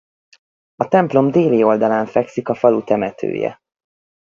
A templom déli oldalán fekszik a falu temetője.